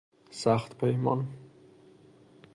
سخت پیمان